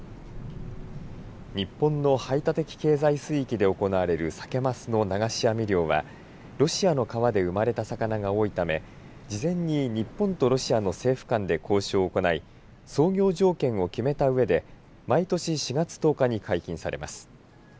日本の排他的経済水域で行われるサケマスの流し網漁はロシアの川で生まれた魚が多いため事前に日本とロシアの政府間で交渉を行い操業条件を決めた上で毎年４月１０日に解禁されます。